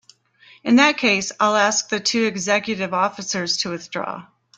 In that case I'll ask the two executive officers to withdraw.